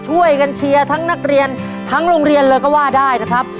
ช่วยกันเชียร์ทั้งนักเรียนทั้งโรงเรียนเลยก็ว่าได้นะครับ